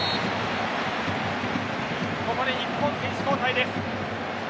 ここで日本が選手交代です。